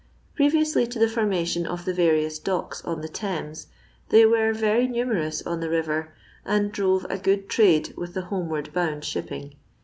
Previously to the formation of the various docks on the Thames, they were very numerous on the river, and drove a good trade with the homeward bound shipping.